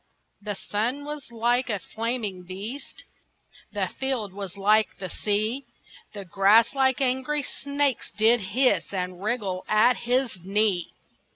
The sun was like a flaming beast, The field was like the sea; The grass like angry snakes did hiss And wriggle at his knee.